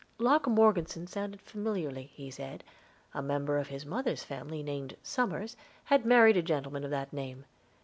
Locke Morgeson sounded familiarly, he said; a member of his mother's family named Somers had married a gentleman of that name.